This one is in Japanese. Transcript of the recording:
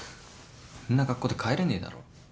んな格好で帰れねえだろ。